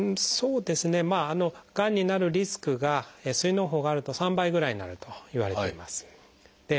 がんになるリスクが膵のう胞があると３倍ぐらいになるといわれています。